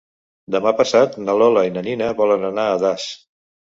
Demà passat na Lola i na Nina volen anar a Das.